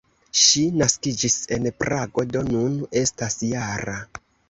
Ŝi naskiĝis en Prago, do nun estas -jara.